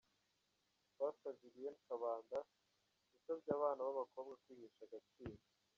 Pastor Julienne Kabanda yasabye abana b'abakobwa kwihesha agaciro.